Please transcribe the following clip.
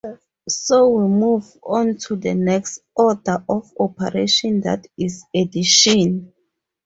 So we move on to the next order of operation, that is, addition.